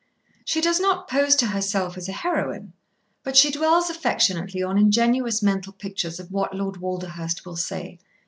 She does not pose to herself as a heroine, but she dwells affectionately on ingenuous mental pictures of what Lord Walderhurst will say.